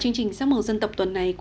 hẹn gặp lại